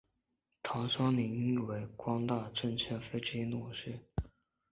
唐双宁亦为光大证券非执行董事。